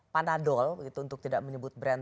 panadol untuk tidak menyebut brand